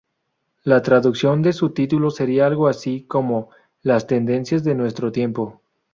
La traducción de su título seria algo así, como "Las tendencias de nuestro tiempo".